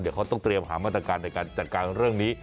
เดี๋ยวเขาต้องเตรียมหามาตรการในการจัดการเรื่องนี้